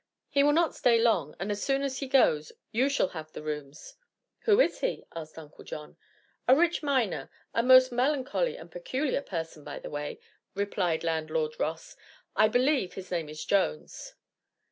He will not stay long, and as soon as he goes you shall have the rooms." "Who is he?" asked Uncle John. "A rich miner; a most melancholy and peculiar person, by the way," replied landlord Ross. "I believe his name is Jones."